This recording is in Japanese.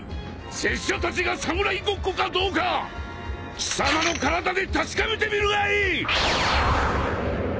拙者たちが侍ごっこかどうか貴様の体で確かめてみるがいい！